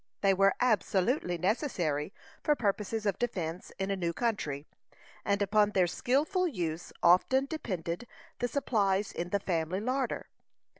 They were absolutely necessary for purposes of defence in a new country, and upon their skilful use often depended the supplies in the family larder.